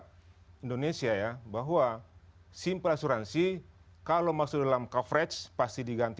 untuk indonesia ya bahwa simple asuransi kalau masuk dalam coverage pasti diganti